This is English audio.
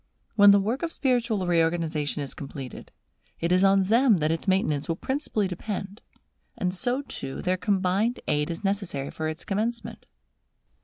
When the work of spiritual reorganization is completed, it is on them that its maintenance will principally depend; and so too, their combined aid is necessary for its commencement.